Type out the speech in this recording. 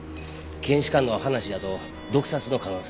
検視官の話やと毒殺の可能性が強いと。